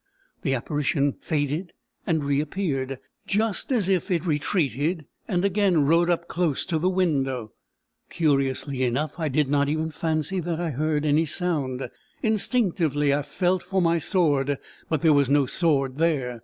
The apparition faded and reappeared, just as if it retreated, and again rode up close to the window. Curiously enough, I did not even fancy that I heard any sound. Instinctively I felt for my sword, but there was no sword there.